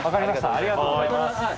ありがとうございます。